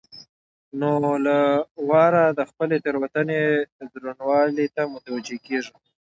نو له واره د خپلې تېروتنې درونوالي ته متوجه کېږو.